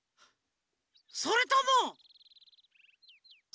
それとも。